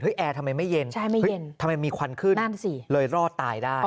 เฮ้ยแอร์ทำไมไม่เย็นทำไมมีควันขึ้นเลยรอดตายได้ใช่ไม่เย็น